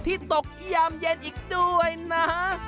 ที่ตกยามเย็นอีกด้วยนะ